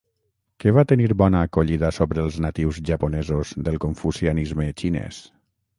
Què va tenir bona acollida sobre els natius japonesos del confucianisme xinès?